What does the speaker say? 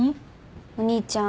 お兄ちゃん